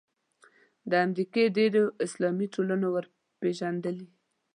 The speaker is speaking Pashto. د امریکې ډېرو اسلامي ټولنو وپېژندلې.